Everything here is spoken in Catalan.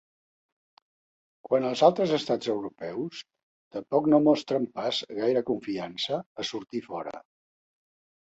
Quant als altres estats europeus, tampoc no mostren pas gaire confiança a sortir fora.